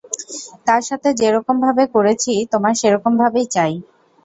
তার সাথে যেরকমভাবে করেছি তোমার সেরকমভাবেই চাই?